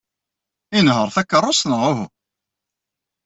Inehheṛ takeṛṛust neɣ uhu?